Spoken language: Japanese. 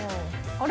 あれ？